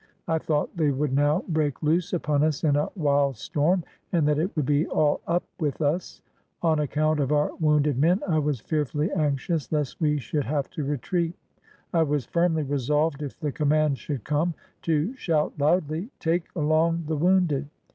I thought they would now break loose upon us in a wild storm and that it would be all up with us. On account of our wounded men I was fearfully anxious lest we should have to retreat. I was firmly resolved if the command should come, to shout loudly: "Take along the wounded!"